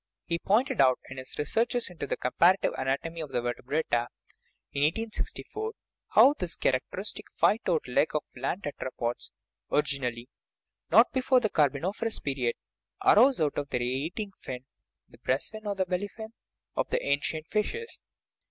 He pointed out, in his Researches into the Comparative Anatomy of the Vertebrata (1864), how this characteristic " five toed leg " of the land tetrapods originally (not before the Carboniferous period) arose out of the radiating fin (the breast fin, or the belly fin) of the ancient fishes.